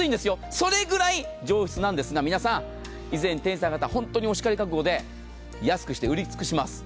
それぐらい上質なんですが、皆さん以前手にされた方、本当にお叱り覚悟で安くして売り尽くします。